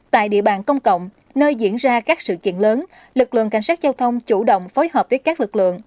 tại địa bàn công cộng nơi diễn ra các sự kiện lớn lực lượng cảnh sát giao thông chủ động phối hợp với các lực lượng